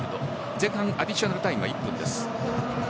前半アディショナルタイムは１分です。